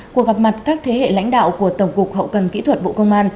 cuộc gặp mặt các thế hệ lãnh đạo của tổng cục hậu cần kỹ thuật bộ công an